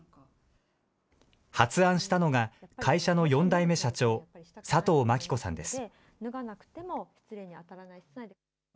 発案したのが会社の４代目社長、佐藤麻季子さんです。